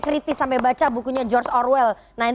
kritis sampai baca bukunya george orwell